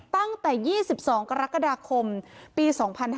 ตั้งแต่๒๒กรกฎาคมปี๒๕๕๙